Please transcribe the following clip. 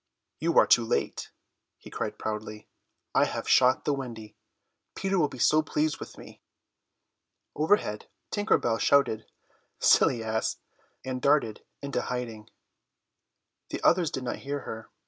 "You are too late," he cried proudly, "I have shot the Wendy. Peter will be so pleased with me." Overhead Tinker Bell shouted "Silly ass!" and darted into hiding. The others did not hear her.